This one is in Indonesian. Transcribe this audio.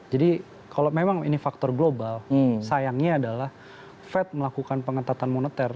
jadi kalau memang ini faktor global sayangnya adalah fed melakukan pengentatan moneter